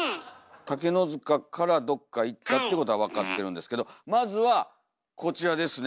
竹の塚からどっか行ったっていうことは分かってるんですけどまずはこちらですね。